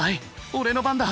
俺の番だ！